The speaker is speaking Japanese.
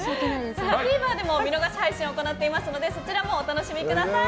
ＴＶｅｒでも見逃し配信を行っていますのでそちらでもお楽しみください。